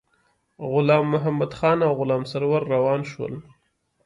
غلام محمدخان او غلام سرور روان شول.